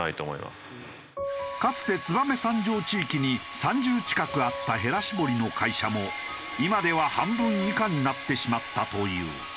かつて燕三条地域に３０近くあったへら絞りの会社も今では半分以下になってしまったという。